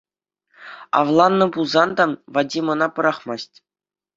Авланнӑ пулсан та, Вадим ӑна пӑрахмасть.